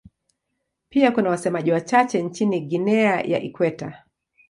Pia kuna wasemaji wachache nchini Guinea ya Ikweta.